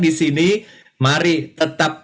di sini mari tetap